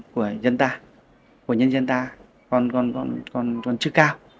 của dân ta của nhân dân ta còn chứ cao